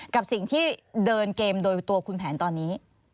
กับสิ่งที่เดินเกมโดยตัวคุณแผนตอนนี้